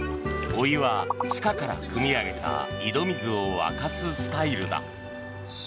お湯は地下からくみ上げた井戸水を沸かすスタイルだ。